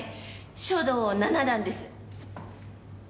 書道七段です。